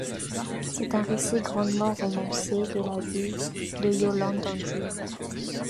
C'est un récit grandement romancé de la vie de Yolande d'Anjou.